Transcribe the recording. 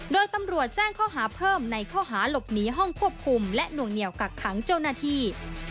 โดยตำรวจแจ้งข้อหาเพิ่มในข้อหาหลบหนีห้องควบคุมและหน่วงเหนียวกักขังเจ้าหน้าที่